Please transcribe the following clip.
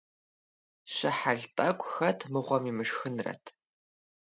Щыхьэл тӀэкӀу хэт мыгъуэм имышхынрэт!